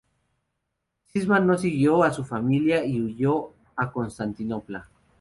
Sisman no siguió a su familia y huyó a Constantinopla.